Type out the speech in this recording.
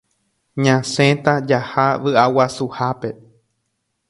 Ñasẽta jaha vy'aguasuhápe